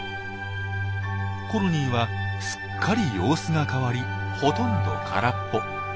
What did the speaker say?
コロニーはすっかり様子が変わりほとんど空っぽ。